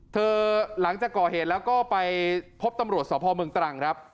หลังจากก่อเหตุแล้วก็ไปพบตำรวจสพเมืองตรังครับ